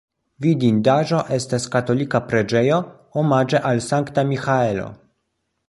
Vidindaĵo estas katolika preĝejo omaĝe al Sankta Miĥaelo.